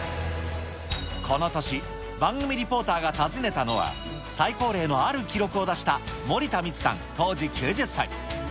この年、番組リポーターが訪ねたのは、最高齢のある記録を出した守田満さん当時９０歳。